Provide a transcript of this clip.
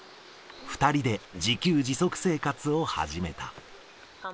２人で自給自足生活を始めた。